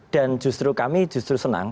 dan justru kami justru senang